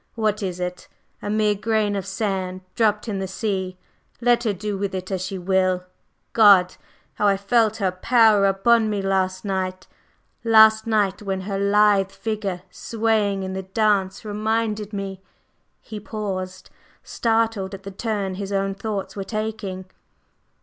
What is it? A mere grain of sand dropped in the sea; let her do with it as she will. God! How I felt her power upon me last night, last night when her lithe figure swaying in the dance reminded me …" He paused, startled at the turn his own thoughts were taking.